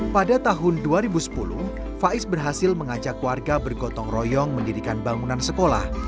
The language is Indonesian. pada tahun dua ribu sepuluh faiz berhasil mengajak warga bergotong royong mendirikan bangunan sekolah